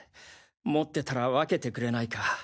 持ってたら分けてくれないか？